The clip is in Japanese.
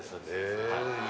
・はい